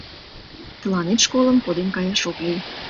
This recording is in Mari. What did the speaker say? Тыланет школым коден каяш ок лий...